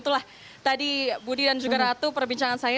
itulah tadi budi dan juga ratu perbincangan saya